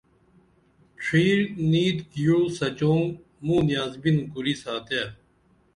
ڇِھیر نِت گیوع سچونگہ موں نیاز بِن کُری ساتے